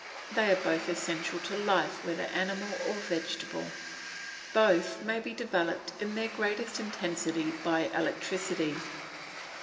They are both essential to life, whether animal or vegetable. Both may be developed in their greatest intensity by electricity.